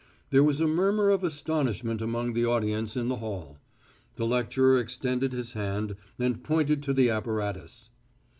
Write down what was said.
There was a murmur of astonishment among the audience in the hall. The lecturer extended his hand, and pointed to the apparatus.